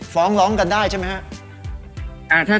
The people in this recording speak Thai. ฟ้องร้องกันได้ใช่ไหมครับ